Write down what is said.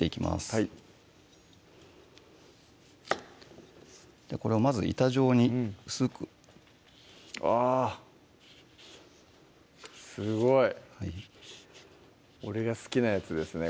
はいこれをまず板状に薄くあぁすごい俺が好きなやつですね